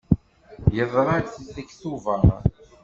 Yeḍra-d deg Tubeṛ.